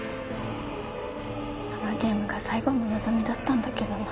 あのゲームが最後の望みだったんだけどな。